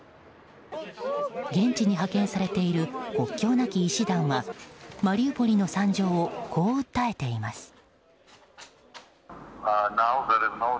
現地に派遣されている国境なき医師団はマリウポリの惨状をこう訴えています。